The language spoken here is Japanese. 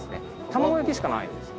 卵焼きしかないんです。